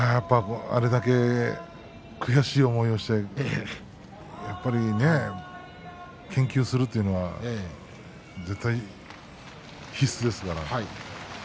あれだけ悔しい思いをしていれば、やっぱりね研究するというのは必須ですから。